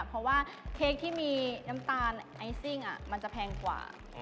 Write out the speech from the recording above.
เพราะว่าเค้กที่มีน้ำตาลไอซิ่งมันจะแพงกว่า